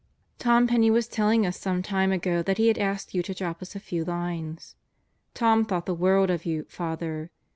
Tom Penney was telling us some time ago that he had asked you to drop us a few lines. Tom thought the world of you, Father.